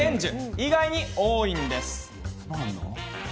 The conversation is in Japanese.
意外に多いんです。